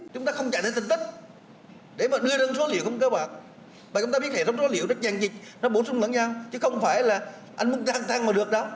chúng ta không chạy theo thành tích để mà đưa ra số liệu không có bạc và chúng ta biết hệ thống số liệu rất nhanh dịch nó bổ sung lẫn nhau chứ không phải là anh muốn tăng mà được đó